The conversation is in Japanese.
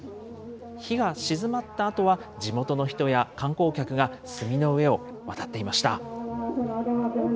火が鎮まったあとは地元の人や観光客が炭の上を渡っていました。